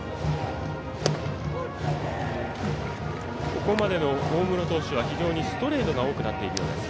ここまでの大室投手はストレートが多くなっています。